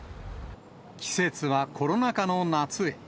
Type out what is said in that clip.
季節はコロナ禍の夏へ。